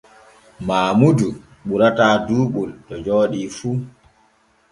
Maamudu ɓurata duuɓol to jooɗi fu.